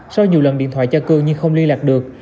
sau nhiều lần điện thoại cho cương nhưng không liên lạc được